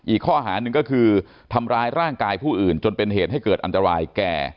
อีกข้อหาหนึ่งก็คือทำร้ายร่างกายผู้อื่นจนเป็นเหตุให้เกิดอันตรายแก่